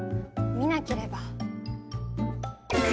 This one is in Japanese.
見なければ。